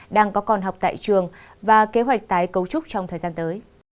đang có con học tại trường và kế hoạch tái cấu trúc trong thời gian tới